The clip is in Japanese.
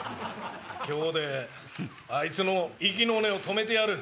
今日であいつの息の根を止めてやる！